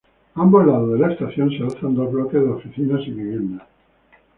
A ambos lados de la estación se alzan dos bloques de oficinas y viviendas.